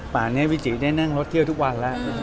ป่านนี้วิจิได้นั่งรถเที่ยวทุกวันแล้ว